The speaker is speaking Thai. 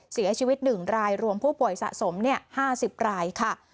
เสียชีวิต๑รายรวมผู้ป่วยสะสม๕๐รายค่ะ